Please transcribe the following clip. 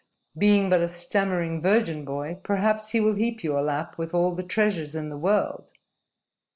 Being but a stammering virgin boy, perhaps he will heap your lap with all the treasures in the world.